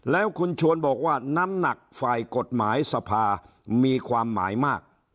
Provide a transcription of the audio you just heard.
แล้วคุณชวนบอกว่าน้ำหนักฝ่ายกฎหมายสภามีความหมายมาก